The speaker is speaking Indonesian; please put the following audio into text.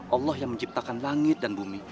allah yang menciptakan langit dan bumi